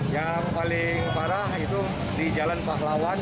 yang paling parah itu di jalan pahlawan